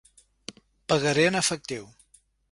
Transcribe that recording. Pagaré en efectiu.